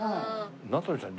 名取さん